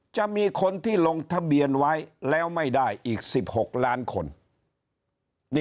จะมีคนที่ลงทะเบียนไว้แล้วไม่ได้อีก๑๖ล้านคน